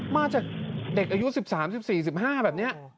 มาจากเด็กอายุ๑๓๑๔๑๕แบบนี้